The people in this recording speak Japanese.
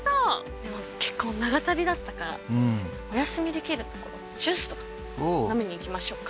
でも結構長旅だったからお休みできる所ジュースとか飲みに行きましょうか。